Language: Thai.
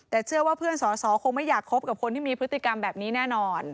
แต่เชื่อว่าเพื่อนสอสอคงไม่อยากคบกับคนที่มีพฤติกรรมแบบนี้แน่นอน